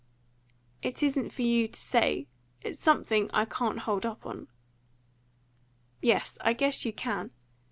"It isn't for you to say. It's something I can't hold up on." "Yes, I guess you can.